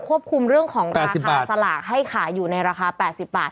ออกหน้าใหญ่เลย